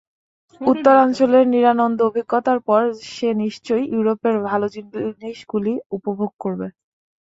উত্তরাঞ্চলের নিরানন্দ অভিজ্ঞতার পর সে নিশ্চয়ই ইউরোপের ভাল জিনিষগুলি উপভোগ করবে।